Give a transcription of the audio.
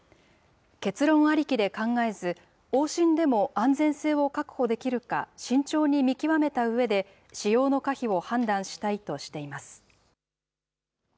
結論ありきで考えず、往診でも安全性を確保できるか、慎重に見極めたうえで、使用の可否を判断したいとしています。